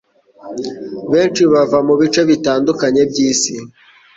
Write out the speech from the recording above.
benshi bava mu bice bitandukanye by'isi.